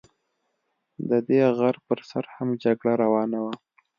د دې غر پر سر هم جګړه روانه وه.